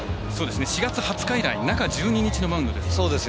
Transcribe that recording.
４月２０日以来中１２日のマウンドです。